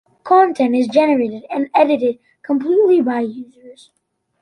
Content is generated and edited completely by users.